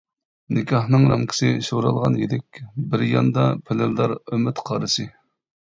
نىكاھنىڭ رامكىسى شورالغان يىلىك، بىر ياندا پىلىلدار ئۈمىد قارىسى.